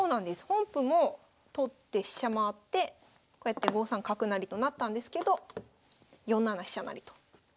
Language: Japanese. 本譜も取って飛車回ってこうやって５三角成となったんですけど４七飛車成と。